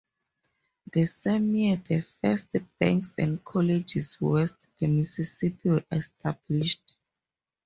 The same year, the first banks and colleges west of the Mississippi were established.